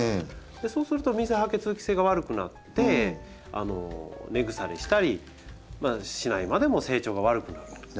そうすると水はけ通気性が悪くなって根腐れしたりまあしないまでも成長が悪くなるんです。